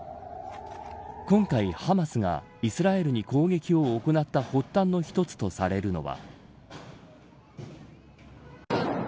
今回ハマスがイスラエルに攻撃を行った発端の一つとされるのは。